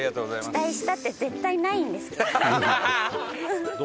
期待したって絶対ないんですけど。